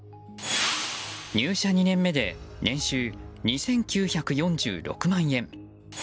入社２年目で年収２９４６万円。